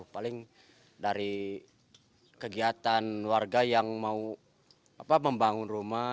paling dari kegiatan warga yang mau membangun rumah